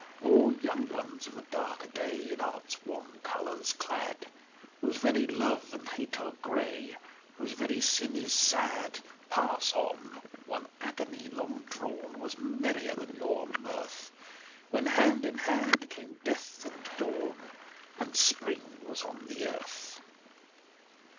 Oh, young ones of a darker day, In Art's wan colours clad, Whose very love and hate are grey — Whose very sin is sad, Pass on ; one agony long drawn Was merrier than your mirth, When hand in hand came death and dawn And spring was on the earth.